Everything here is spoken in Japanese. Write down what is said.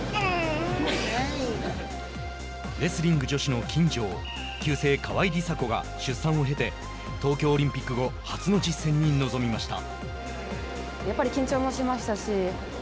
レスリング女子の金城旧姓・川井梨紗子が出産を経て東京オリンピック後初の実戦に臨みました。